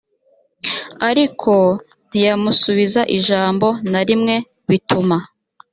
ariko ntiyamusubiza ijambo na rimwe bituma